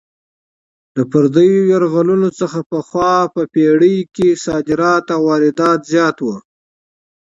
د پردیو یرغلونو څخه پخوا په پېړۍ کې صادرات او واردات زیات وو.